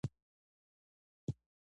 د سلما بند چا جوړ کړ؟